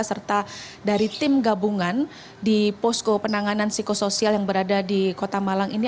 serta dari tim gabungan di posko penanganan psikosoial yang berada di kota malang ini